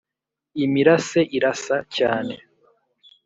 imirase irasa cyane,